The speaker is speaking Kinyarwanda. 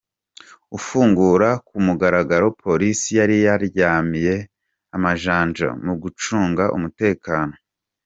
Ufungura ku mugaragaro Polisi yari yaryamiye amajanja mu gucunga umutekano.